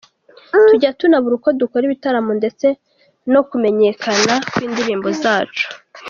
Tujya tunabura uko dukora ibitaramo, ndetse no kumenyekana kw’indirimbo zacu.